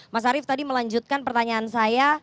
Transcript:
mas arief tadi melanjutkan pertanyaan saya